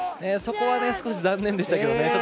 そこは少し残念でしたけどね。